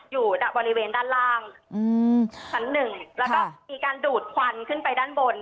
อยู่บริเวณด้านล่างชั้นหนึ่งแล้วก็มีการดูดควันขึ้นไปด้านบน